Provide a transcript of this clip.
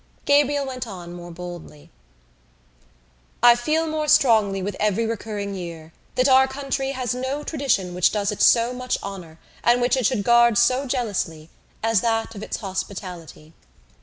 Gabriel went on more boldly: "I feel more strongly with every recurring year that our country has no tradition which does it so much honour and which it should guard so jealously as that of its hospitality.